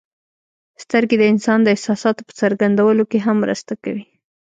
سترګې د انسان د احساساتو په څرګندولو کې هم مرسته کوي.